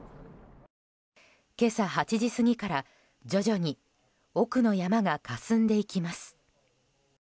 今朝８時過ぎから、徐々に奥の山がかすんでいきます。